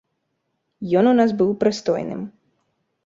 Ён у нас быў прыстойным.